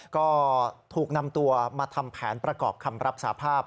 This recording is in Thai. ก็ถูกนำตัวมาทำแผนประกอบคำรับสาภาพ